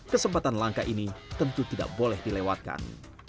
kesempatan langka ini tentu tidak boleh dilewatkan